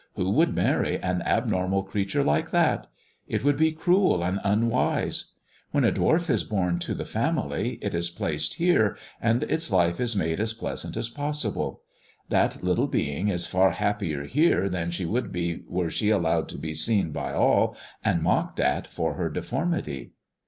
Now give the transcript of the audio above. "Who would marry an abnormal creature like that 1 It would be cruel and unwise. When a dwarf is bom to the family it is placed here, and its life is made as pleasant as possible. That little being is far happier here than she would be were she allowed to be seen by all, and mocked at for her deformity."